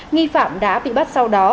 nghi phạm đã bị bắt sau đó